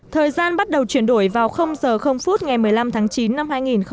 thời gian bắt đầu chuyển đổi vào h ngày một mươi năm tháng chín năm hai nghìn hai mươi